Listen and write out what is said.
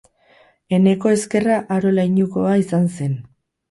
Eneko Ezkerra Haro leinukoa izan zen.